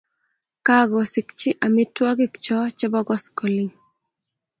kakosikchi amitwokikchoo chebo koskoleny